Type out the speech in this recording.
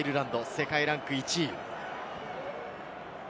世界ランク１位です。